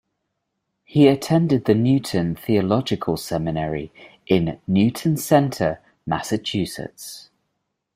He attended the Newton Theological Seminary in Newton Center, Massachusetts.